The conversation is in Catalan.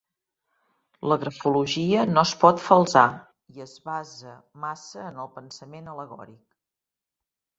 La grafologia no es pot falsar i es basa massa en el pensament al·legòric.